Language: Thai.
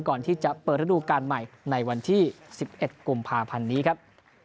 ก่อนที่จะเปิดระดูการใหม่ในวันที่๑๑กุมภาพันธ์นี้ครับ